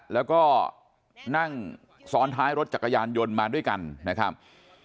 แล้วก็นั่งซ้อนท้ายรถจักรยานยนต์มาด้วยกันนะครับ